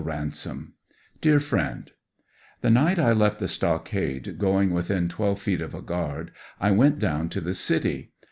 Ransom, Dear Friend:— The night I left the stockade, go ing within twelve feet of a guard, I went down to the city.